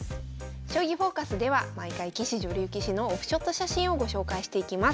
「将棋フォーカス」では毎回棋士女流棋士のオフショット写真をご紹介していきます。